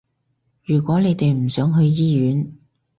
如果你哋唔想去醫院